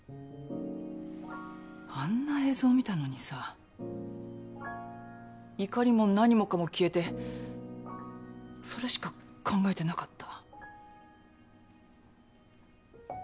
あんな映像見たのにさ怒りも何もかも消えてそれしか考えてなかった。